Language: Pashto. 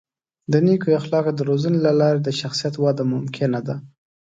د نیکو اخلاقو د روزنې له لارې د شخصیت وده ممکنه ده.